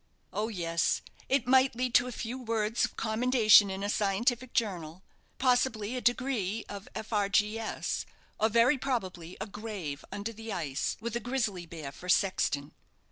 "Oh, yes, it might lead to a few words of commendation in a scientific journal; possibly a degree of F.R.G.S.; or very probably a grave under the ice, with a grizzly bear for sexton."